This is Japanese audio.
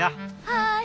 はい！